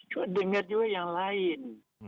coba dengar juga yang lain